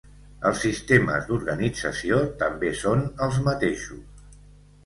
Els sistemes d'organització també són els mateixos.